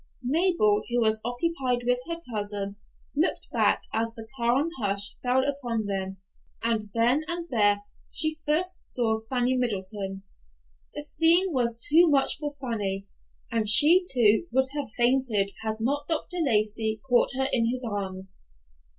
Mabel, who was occupied with her cousin, looked back as the calm hush fell upon them, and then and there she first saw Fanny Middleton. The scene was too much for Fanny, and she, too, would have fainted had not Dr. Lacey caught her in his arms.